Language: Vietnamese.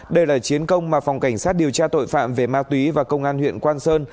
đây là chiến công mà phòng cảnh sát điều tra tội phạm về ma túy và công an huyện quang sơn